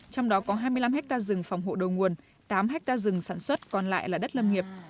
trong đó có hai mươi năm hectare rừng phòng hộ đầu nguồn tám ha rừng sản xuất còn lại là đất lâm nghiệp